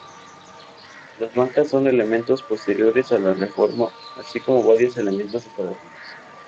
Las bancas son elementos posteriores a la reforma, así como varios elementos decorativos.